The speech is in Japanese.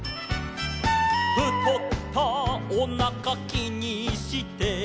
「ふとったおなかきにして」